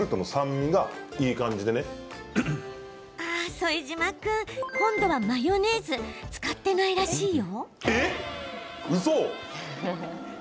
副島君、今度はマヨネーズ使ってないらしいよ。